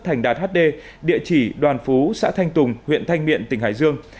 thành đạt hd địa chỉ đoàn phú xã thanh tùng huyện thanh miện tỉnh hải dương